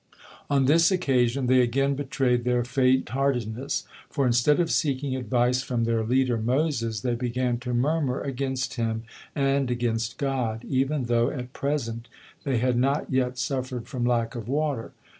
On this occasion they again betrayed their faintheartedness, for instead of seeking advice from their leader Moses, they began to murmur against him and against God, even though at present they had not yet suffered from lack of water.